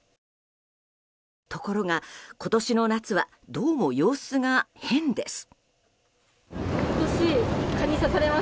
ところが、今年の夏はどうも様子が変です。